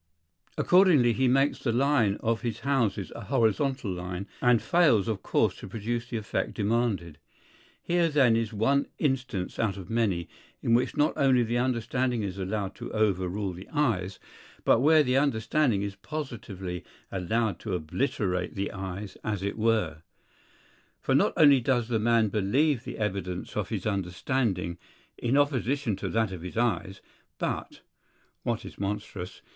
Accordingly he makes the line of his houses a horizontal line, and fails of course to produce the effect demanded. Here then is one instance out of many, in which not only the understanding is allowed to overrule the eyes, but where the understanding is positively allowed to obliterate the eyes as it were, for not only does the man believe the evidence of his understanding in opposition to that of his eyes, but, (what is monstrous!)